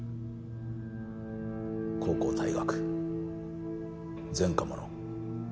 高校退学前科者。